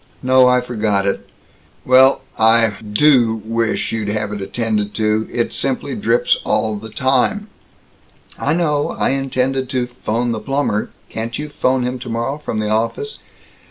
"No, I forgot it." "Well, I do wish you'd have it attended to. It simply drips all the time." "I know. I intended to 'phone the plumber Can't you 'phone him tomorrow, from the office?"